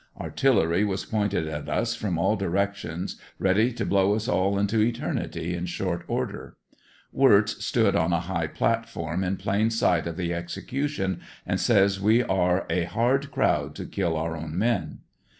Artillery was pointed at us from all directions ready to blow us all into eternity in short order; Wirtz stood on a high platform in plain sight of the execution and says we are a hard crowd to kill our own men.